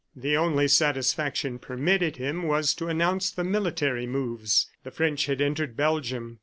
... The only satisfaction permitted him was to announce the military moves. The French had entered Belgium.